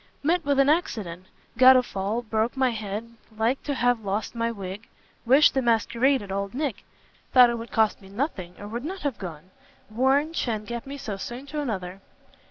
"Met with an accident; got a fall, broke my head, like to have lost my wig. Wish the masquerade at old Nick! thought it would cost nothing, or would not have gone. Warrant sha'n't get me so soon to another!"